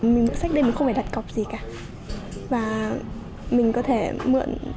mình mượn sách đây mình không phải đặt cọc gì cả và mình có thể mượn